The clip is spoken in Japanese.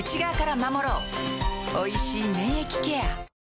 おいしい免疫ケア